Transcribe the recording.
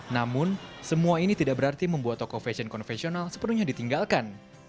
namun semua ini tidak berarti membuat toko fashion konvensional sepenuhnya ditinggalkan